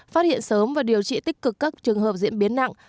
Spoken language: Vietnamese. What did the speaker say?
phát hiện sớm và điều trị tích cực các trường hợp diễn biến nặng